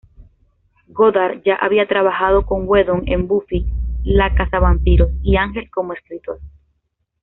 Goddard ya había trabajado con Whedon en "Buffy, la cazavampiros" y "Ángel" como escritor.